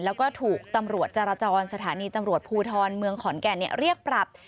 แล้วก็ถูกตำรวจจารจรสถานีตำรวจภูทรเมืองขอนแก่นเรียกปรับ